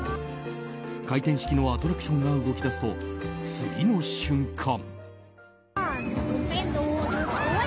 回転式のアトラクションが動き出すと次の瞬間。